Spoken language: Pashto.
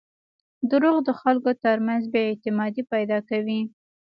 • دروغ د خلکو ترمنځ بېاعتمادي پیدا کوي.